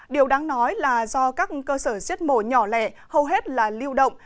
điều đáng nói là do các cơ sở giết mổ nhỏ lẻ hầu hết là lưu động